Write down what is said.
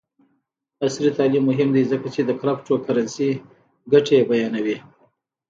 عصري تعلیم مهم دی ځکه چې د کریپټو کرنسي ګټې بیانوي.